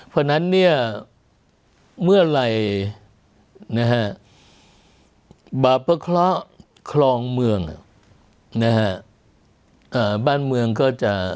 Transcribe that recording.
เพราะฉะนั้นเนี่ยเมื่อไหร่เบาะเพาะเคราะห์คลองเมืองบ้านเมืองก็จะไม่ค่อยสงบสุข